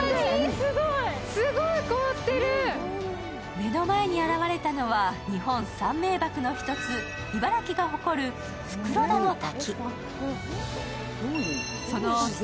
目の前に現れたのは日本三名ばくの一つ、茨城が誇る袋田の滝。